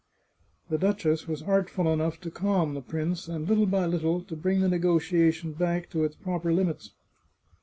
The duchess was artful enough to calm the prince, and little by little, to bring the negotiation back to its proper limits.